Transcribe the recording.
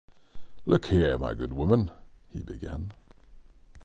"Look here, my good woman —" he began.